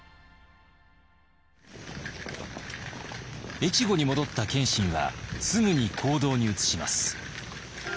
越後に戻った謙信はすぐに行動に移します。